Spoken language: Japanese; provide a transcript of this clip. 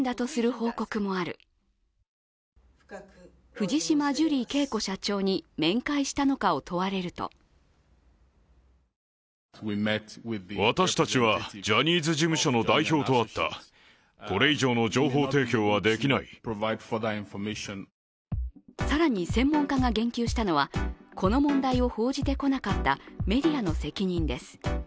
藤島ジュリー景子社長に面会したのかを問われると更に、専門家が言及したのは、この問題を報道してこなかったメディアの責任です。